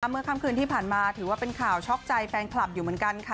เมื่อค่ำคืนที่ผ่านมาถือว่าเป็นข่าวช็อกใจแฟนคลับอยู่เหมือนกันค่ะ